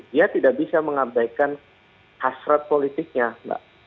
dia tidak bisa mengabaikan hasrat politiknya mbak